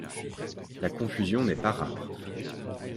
La confusion n'est pas rare.